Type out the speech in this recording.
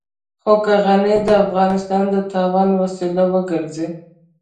خو که غني د افغانستان د تاوان وسيله وګرځي.